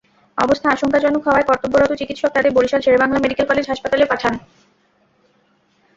অবস্থা আশঙ্কাজনক হওয়ায় কর্তব্যরত চিকিত্সক তাদের বরিশাল শেরেবাংলা মেডিকেল কলেজ হাসপাতালে পাঠান।